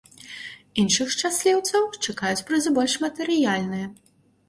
Іншых шчасліўцаў чакаюць прызы больш матэрыяльныя.